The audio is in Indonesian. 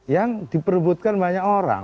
yang diperbutkan banyak orang